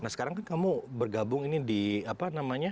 nah sekarang kan kamu bergabung ini di apa namanya